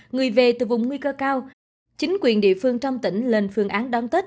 người về từ vùng nguy cơ cao chính quyền địa phương trong tỉnh lên phương án đón tết